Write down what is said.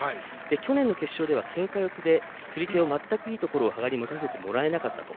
去年の決勝では、けんか四つで釣り手を、全くいいところを羽賀にも足せてもらえなかったと。